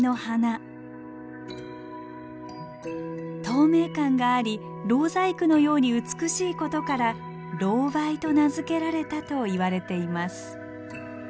透明感があり蝋細工のように美しいことから蝋梅と名付けられたといわれています。